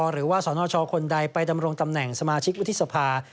หรือว่าสอนอชอคนใดไปดำรงตำแหน่งสมาชิกวิทยศภา